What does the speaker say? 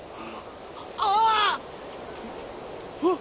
ああ！